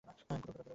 ঘুরো, ঘুরো।